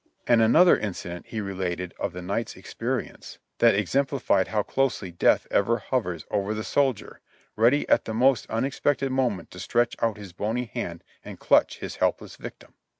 And another incident he related of the night's experience, that exemplified how closely Death ever hovers over the soldier, ready at the most unexpected moment to stretch out his bony hand and clutch his helpless victim.